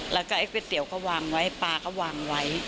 แล้วก็ไอ้ก๋วยเตี๋ยวก็วางไว้ปลาก็วางไว้